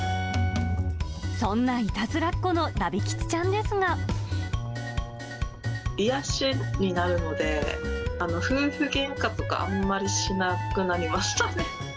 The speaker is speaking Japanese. そんないたずらっ子のラビ吉癒やしになるので、夫婦げんかとか、あんまりしなくなりましたね。